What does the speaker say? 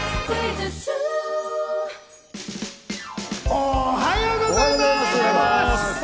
おはようございます！